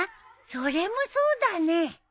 それもそうだね。